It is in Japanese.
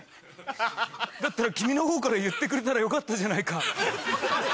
だったら君のほうから言ってくれたらよかったじゃないか。